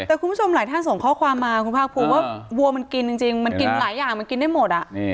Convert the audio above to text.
แต่คุณผู้ชมหลายท่านส่งข้อความมาคุณภาคภูมิว่าวัวมันกินจริงมันกินหลายอย่างมันกินได้หมด